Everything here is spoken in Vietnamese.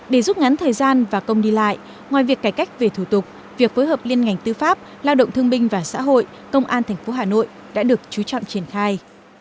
để giúp ngắn thời gian và công đi lại ngoài việc cải cách về thủ tục việc phối hợp liên ngành tư pháp lao động thương binh và xã hội công an tp hà nội đã được chú trọng triển khai